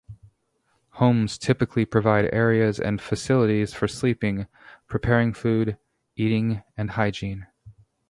Homes typically provide areas and facilities for sleeping, preparing food, eating and hygiene.